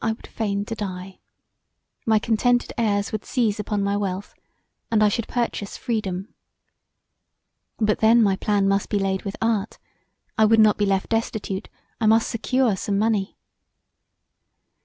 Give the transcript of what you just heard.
I would feign to die; my contented heirs would seize upon my wealth, and I should purchase freedom. But then my plan must be laid with art; I would not be left destitute, I must secure some money.